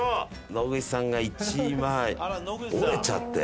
野口さんが１枚。折れちゃって。